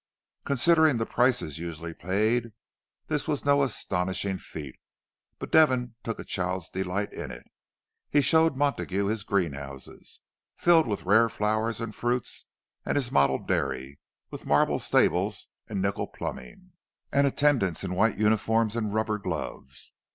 Considering the prices usually paid, this was no astonishing feat, but Devon took a child's delight in it; he showed Montague his greenhouses, filled with rare flowers and fruits, and his model dairy, with marble stables and nickel plumbing, and attendants in white uniforms and rubber gloves.